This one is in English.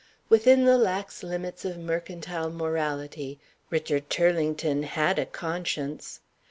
Within the lax limits of mercantile morality, Richard Turlington had a conscience.